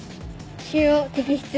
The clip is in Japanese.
腫瘍摘出。